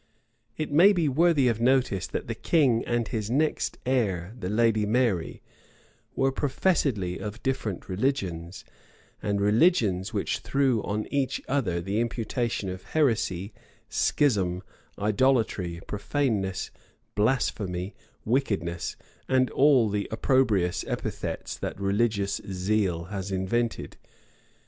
[] It may be worthy of notice, that the king and his next heir, the lady Mary, were professedly of different religions; and religions which threw on each other the imputation of heresy, schism, idolatry, profaneness, blasphemy, wickedness, and all the opprobrious epithets that religious zeal has invented.